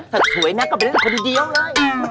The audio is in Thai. ถ้าสวยนักก็ไปเล่นคนเดียวเลย